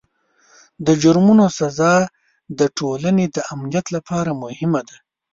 د جرمونو سزا د ټولنې د امنیت لپاره مهمه ده.